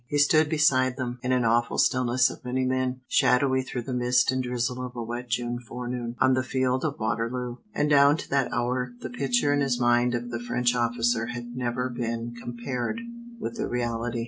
He stood beside them, in an awful stillness of many men, shadowy through the mist and drizzle of a wet June forenoon, on the field of Waterloo. And down to that hour the picture in his mind of the French officer had never been compared with the reality.